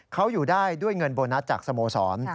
เขาอยู่ได้ด้วยเงินโบนัสจากสโมสร